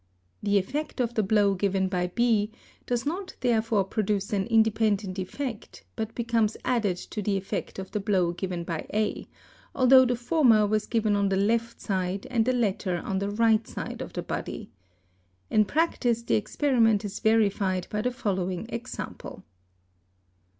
The effect of the blow given by B does not therefore produce an independent effect but becomes added to the effect of the blow given by A, although the former was given on the left side and the latter on the right side of the body. In practice the experiment is verified by the following example.